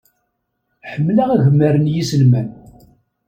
Ḥemmleɣ agmar n yiselman.